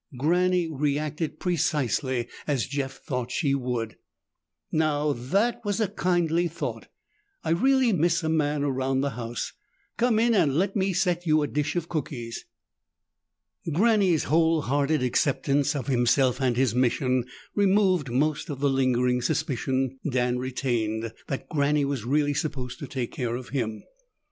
Granny reacted precisely as Jeff had thought she would. "Now that was a kindly thought! I really miss a man around the house. Come in and let me set you a dish of cookies." Granny's wholehearted acceptance of himself and his mission removed most of the lingering suspicion Dan retained that Granny was really supposed to take care of him.